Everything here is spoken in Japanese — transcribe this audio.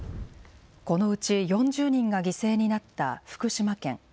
このうち４０人が犠牲になった福島県。